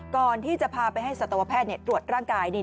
ก่อนที่จะพาไปให้สัตวแพทย์ตรวจร่างกาย